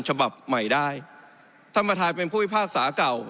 ฉบับใหม่ได้ท่านประธานเป็นผู้พิพากษาเก่า